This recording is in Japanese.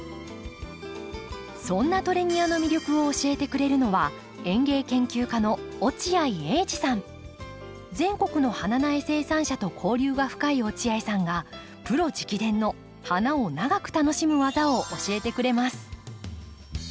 そんなトレニアの魅力を教えてくれるのは全国の花苗生産者と交流が深い落合さんがプロ直伝の花を長く楽しむ技を教えてくれます。